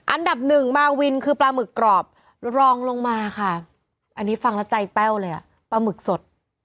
อันดับหนึ่งมาวินคือปลาหมึกกรอบรองลงมาค่ะอันนี้ฟังแล้วใจแป้วเลยอ่ะปลาหมึกสด